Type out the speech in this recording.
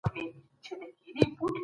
نړیوال رقابت باید د سالم پرمختګ لپاره وي.